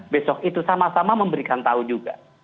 besok itu sama sama memberikan tahu juga